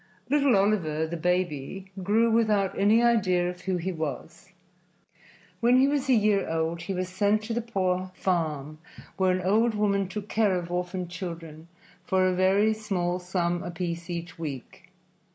Little Oliver, the baby, grew without any idea of who he was. When he was a year old he was sent to the poor farm where an old woman took care of orphan children for a very small sum apiece each week.